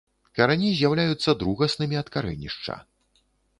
Карані з'яўляюцца другаснымі ад карэнішча.